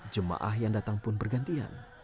jemaah yang datang pun bergantian